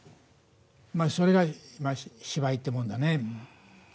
それが芝居ってもんだね。